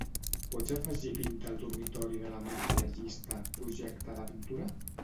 Pots afegir pintar el dormitori de la Marta a la llista "projecte de pintura"?